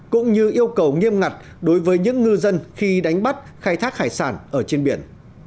cũng như yêu cầu nghiêm ngặt đối với những ngư dân khi đánh bắt khai thác hải sản ở trên biển